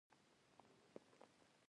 هغه ځای لږ تر نورو ګوښه او تیاره و.